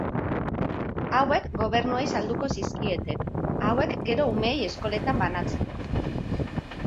Hauek gobernuei salduko zizkieten, hauek gero umeei eskoletan banatzeko.